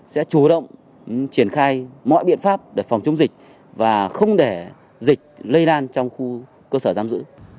sẽ chủ động triển khai mọi biện pháp để phòng chống dịch và không để dịch lây lan trong khu cơ sở giam giữ